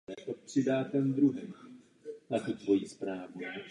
Snad by pak začali odvádět lepší práci.